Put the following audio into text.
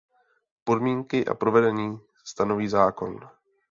Podmínky a provedení stanoví zákon.